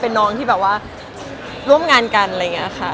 เป็นน้องที่แบบว่าร่วมงานกันอะไรอย่างนี้ค่ะ